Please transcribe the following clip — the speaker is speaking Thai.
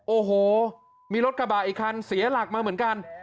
โอ้โหมีรถกระบะอีกคันเสียหลักมาเหมือนกัน